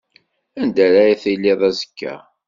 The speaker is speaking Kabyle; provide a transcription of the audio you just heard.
Anda ara tiliḍ azekka?